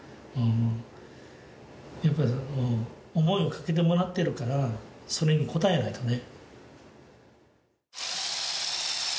やっぱり思いをかけてもらってるからそれに応えないとね。